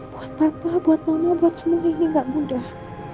buat papa buat mama buat semua ini gak mudah